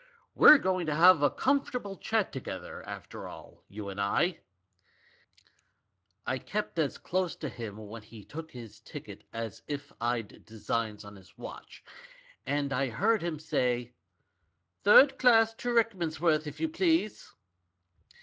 We're going to have a com fortable chat together, after all, you and I !' "I kept as close to him when he took his ticket as if I'd designs on his watch, and I heard him say, 'Thu'd class to Rickmansworth, if you please.'